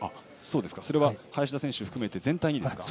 それは林田選手含めて全体でですか。